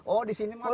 oh di sini maklum